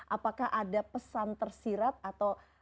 apakah ada pesan tersirat atau